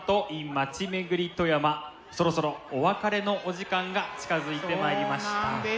そろそろお別れのお時間が近づいてまいりました。